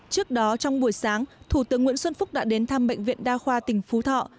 trước đó trong buổi sáng thủ tướng nguyễn xuân phúc đã đến thăm bệnh viện đa khoa tỉnh phú thọ